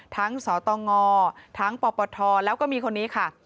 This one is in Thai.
สตงทั้งปปทแล้วก็มีคนนี้ค่ะ